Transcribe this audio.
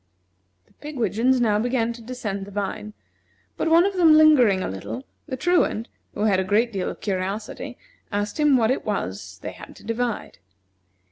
The pigwidgeons now began to descend the vine; but one of them lingering a little, the Truant, who had a great deal of curiosity, asked him what it was they had to divide.